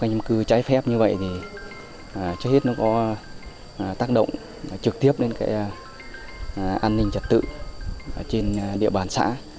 xâm canh xâm cư trái phép như vậy thì cho hết nó có tác động trực tiếp đến cái an ninh trật tự trên địa bàn xã